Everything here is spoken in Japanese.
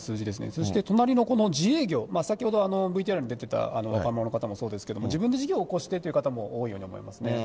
そして隣のこの自営業、先ほどＶＴＲにも出てた若者の方もそうですけど、自分で事業を起こしてという方も多いように思いますね。